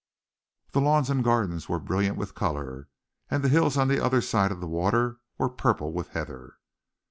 The lawns and gardens were brilliant with color, and the hills on the other side of the water were purple with heather.